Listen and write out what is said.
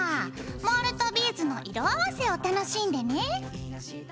モールとビーズの色合わせを楽しんでね。